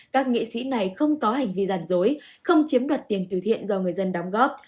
các nghệ sĩ này không có hành vi giả dối không chiếm đoạt tiền từ thiện do người dân đóng góp